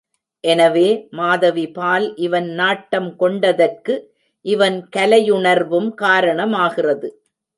எனவே மாதவிபால் இவன் நாட்டம் கொண்டதற்கு இவன் கலையுணர்வும் காரண மாகிறது.